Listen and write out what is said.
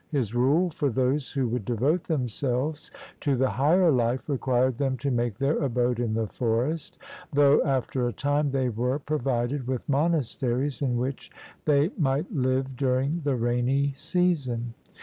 His rule for those who would devote themselves to the higher life required them to make their abode in the forest, though after a time they were provided with monasteries in which they might live during the rainy season.